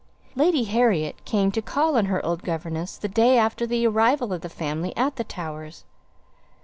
Lady Harriet came to call on her old governess the day after the arrival of the family at the Towers.